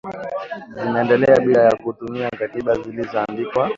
zimeendelea bila ya kutumia katiba zilizoandikwa